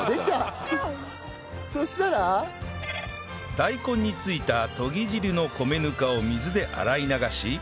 大根についたとぎ汁の米ぬかを水で洗い流し